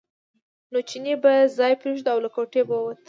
نو چیني به ځای پرېښود او له کوټې به ووت.